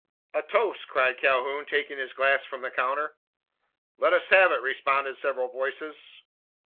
"A toast!" cried Calhoun, taking his glass from the counter. "Let us have it!" responded several voices.